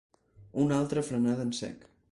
Una altra frenada en sec.